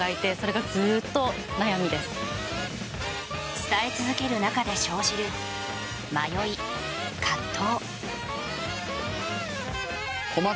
伝え続ける中で生じる迷い葛藤。